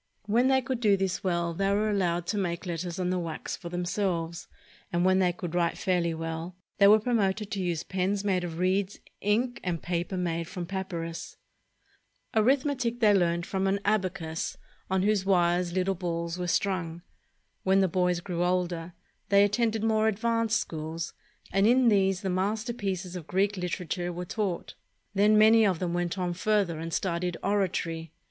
When they could do this well, they were allowed to make letters on the wax for themselves; and when they could write fairly well, they were promoted to use pens made of reeds, ink, and paper made from papynis. Arithmetic they learned from an abacus, on whose wires little balls were strung. When the boys grew older, they attended more advanced schools, and in these the masterpieces of Greek literature were taught. Then many of them went on further and studied oratory.